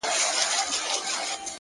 شعر كي مي راپاته ائينه نه ده.!